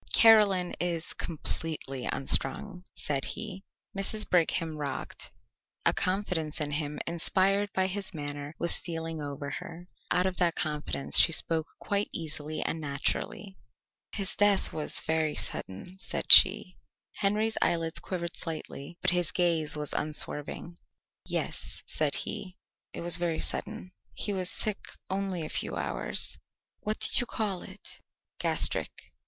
"Caroline is completely unstrung," said he. Mrs. Brigham rocked. A confidence in him inspired by his manner was stealing over her. Out of that confidence she spoke quite easily and naturally. "His death was very sudden," said she. Henry's eyelids quivered slightly but his gaze was unswerving. "Yes," said he; "it was very sudden. He was sick only a few hours." "What did you call it?" "Gastric."